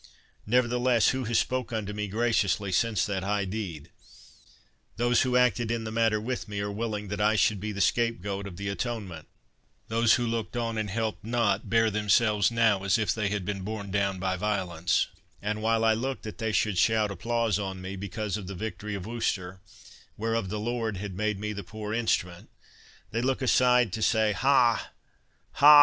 Nevertheless, who has spoke unto me graciously since that high deed? Those who acted in the matter with me are willing that I should be the scape goat of the atonement—those who looked on and helped not, bear themselves now as if they had been borne down by violence; and while I looked that they should shout applause on me, because of the victory of Worcester, whereof the Lord had made me the poor instrument, they look aside to say, 'Ha! ha!